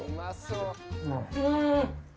うん！